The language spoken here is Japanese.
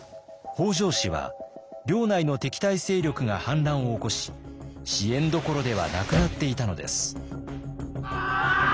北条氏は領内の敵対勢力が反乱を起こし支援どころではなくなっていたのです。